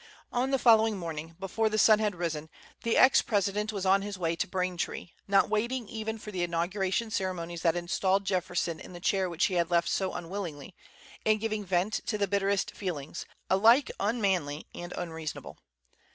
On the following morning, before the sun had risen, the ex president was on his way to Braintree, not waiting even for the inauguration ceremonies that installed Jefferson in the chair which he had left so unwillingly, and giving vent to the bitterest feelings, alike unmanly and unreasonable.